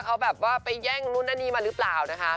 เพราะเขาแบบไปแห้งนุ่นน่านนี้มาหรือเปล่านะคะ